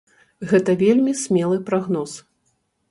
Гэта вельмі смелы прагноз.